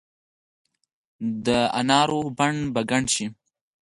دا نارو بڼ به ګڼ شي